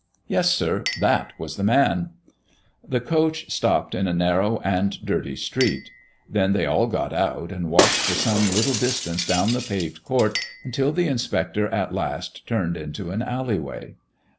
"Yes, sir, that was the man." The coach stopped in a narrow and dirty street. Then they all got out and walked for some little distance down the paved court until the inspector at last turned into an alleyway.